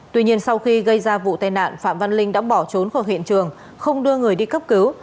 tuy nhiên sau khi gây ra vụ tai nạn phạm văn linh đã bỏ trốn khỏi hiện trường không đưa người đi cấp cứu